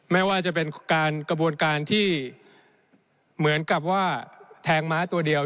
ไม่ว่าจะเป็นการกระบวนการที่เหมือนกับว่าแทงม้าตัวเดียว